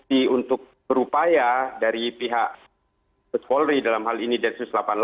ini untuk berupaya dari pihak bespolri dalam hal ini densus delapan puluh delapan